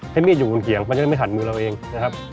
ให้มีดอยู่บนเขียงเพราะฉะนั้นไม่หันมือเราเองนะครับ